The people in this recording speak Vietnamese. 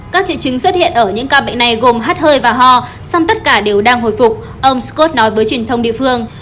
các triệu chứng xuất hiện ở những ca bệnh này gồm hát hơi và ho song tất cả đều đang hồi phục ông scott nói với truyền thông địa phương